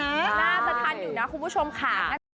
น่าจะทันอยู่นะคุณผู้ชมค่ะ